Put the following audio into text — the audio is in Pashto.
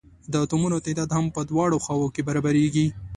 د اتومونو تعداد هم په دواړو خواؤ کې برابریږي.